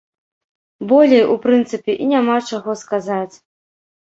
Болей, у прынцыпе, і няма чаго сказаць.